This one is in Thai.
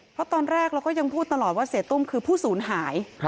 เพราะตอนแรกเราก็ยังพูดตลอดว่าเสียตุ้มคือผู้สูญหาย